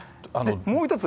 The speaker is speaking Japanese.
もう一つ